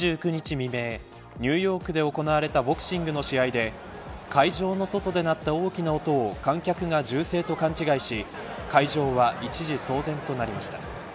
未明、ニューヨークで行われたボクシングの試合で会場の外でなった大きな音を観客が銃声と勘違いし会場は一時騒然となりました。